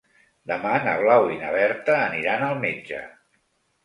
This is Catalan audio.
Demà na Blau i na Berta aniran al metge.